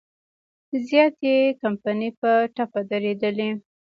زیاتې کمپنۍ په ټپه درېدلي.